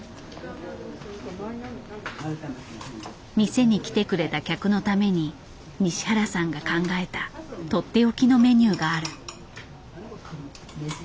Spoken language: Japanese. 店に来てくれた客のために西原さんが考えたとっておきのメニューがある。